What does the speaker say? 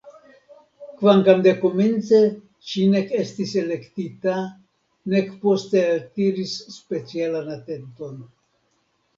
Kvankam dekomence ŝi nek estis elektita nek poste altiris specialan atenton.